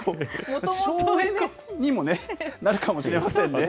省エネにもなるかもしれませんね。